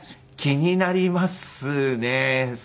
気になりますね。